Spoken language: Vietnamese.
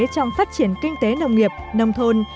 trong phát triển kinh tế nông nghiệp nông thôn